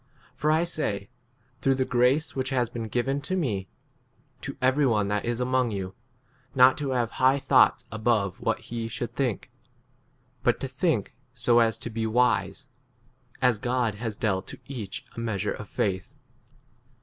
For I say, through the grace which has been given to me, to every one that is among you, not to have high thoughts above what he should think ; but to think so as to be wise, r as God has dealt to each a measure of 4 faith.